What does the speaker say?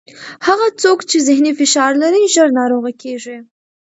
هغه څوک چې ذهني فشار لري، ژر ناروغه کېږي.